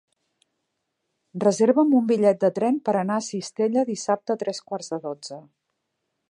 Reserva'm un bitllet de tren per anar a Cistella dissabte a tres quarts de dotze.